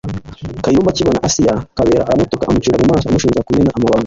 Kayumba akibona Assiel Kabera aramutuka amucira mumaso amushinja kumena amabanga